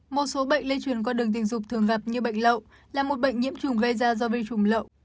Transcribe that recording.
một số bệnh lây truyền qua đường tình dục thường gặp như bệnh lậu là một bệnh nhiễm trùng gây ra do vi trùng lậu